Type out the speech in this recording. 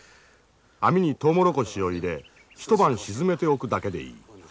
網にトウモロコシを入れ一晩沈めておくだけでいい。